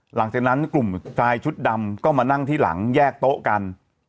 หลังจากนั้นกลุ่มชายชุดดำก็มานั่งที่หลังแยกโต๊ะกัน